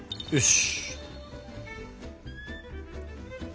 よし。